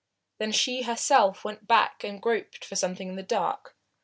Then she herself went back and groped for something in the dark.